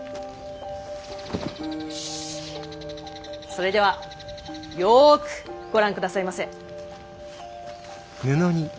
それではよくご覧下さいませ。